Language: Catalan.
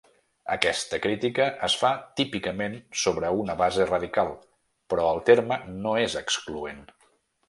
Aquesta crítica es fa típicament sobre una base radical, però el terme no és excloent.